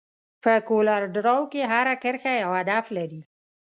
په کولر ډراو کې هره کرښه یو هدف لري.